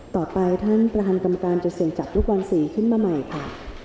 ต่อไปท่านประธานกรรมการจะเสี่ยงจัดลูกบอลสีขึ้นมาใหม่ค่ะ